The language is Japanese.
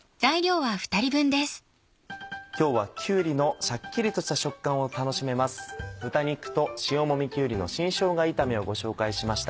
今日はきゅうりのシャッキリとした食感を楽しめます「豚肉と塩もみきゅうりの新しょうが炒め」をご紹介しました。